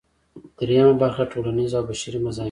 دریمه برخه ټولنیز او بشري مضامین دي.